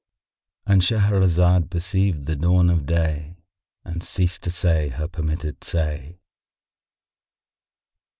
——And Shahrazad perceived the dawn of day and ceased to say her permitted say.